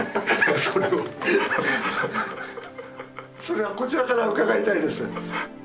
それはこちらから伺いたいです。